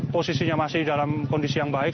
posisinya masih dalam kondisi yang baik